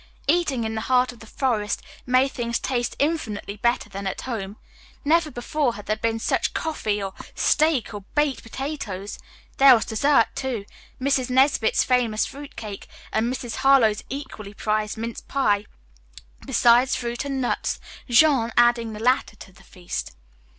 Eating in the heart of the forest made things taste infinitely better than at home. Never before had there been such coffee, or steak, or baked potatoes! There was dessert, too Mrs. Nesbit's famous fruit cake and Mrs. Harlowe's equally prized mince pie, besides fruit and nuts, Jean adding the latter to the feast.